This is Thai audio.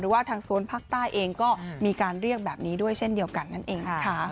ว่าทางโซนภาคใต้เองก็มีการเรียกแบบนี้ด้วยเช่นเดียวกันนั่นเองนะคะ